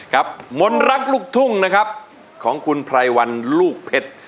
ครับมนต์รักลูกทุ่งนะครับของคุณพรายวันลูกเผ็ด